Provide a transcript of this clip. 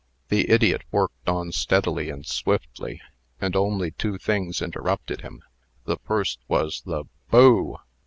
The idiot worked on steadily and swiftly, and only two things interrupted him. The first was the "Boo!"